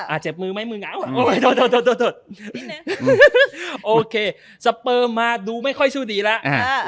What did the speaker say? อ่าเจ็บมือไหมมือเงาเถอะโอเคซับเบอร์มาดูไม่ค่อยช่วยดีแล้ว